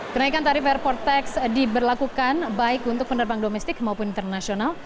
kenaikan tarif airport tax diberlakukan baik untuk penerbang domestik maupun internasional